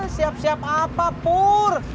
siap siap apa pur